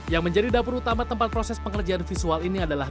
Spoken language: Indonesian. yang menjadi dapur utama tempat proses pengerjaan visual ini adalah